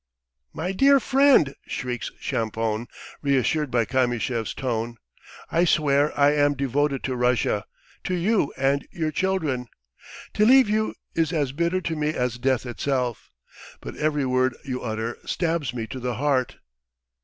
"My dear friend!" shrieks Champoun, reassured by Kamyshev's tone. "I swear I am devoted to Russia, to you and your children. ... To leave you is as bitter to me as death itself! But every word you utter stabs me to the heart!"